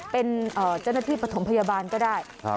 เป็นเจ้าหน้าที่ปฐมพยาบาลก็ได้